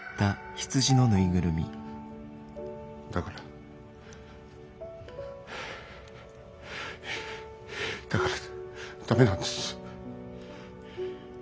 だからはあだからダメなんです。